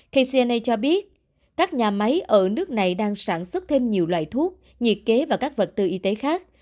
kcna cho biết các nhà máy ở nước này đang sản xuất thêm nhiều loại thuốc nhiệt kế và các vật tư y tế khác